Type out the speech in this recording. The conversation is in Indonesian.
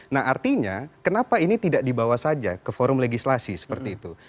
nah artinya kenapa ini tidak dibawa saja ke forum legislasi seperti itu